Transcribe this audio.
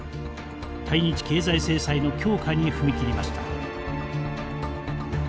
対日経済制裁の強化に踏み切りました。